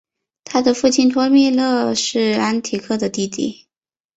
他的父亲托勒密是安提柯的弟弟。